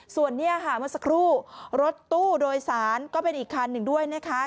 ส่วนนี้ค่ะเมื่อสักครู่รถตู้โดยสารก็เป็นอีกคันหนึ่งด้วยนะคะ